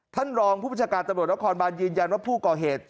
ท่านรองผู้ประชาการตำรวจนครบานยืนยันว่าผู้ก่อเหตุ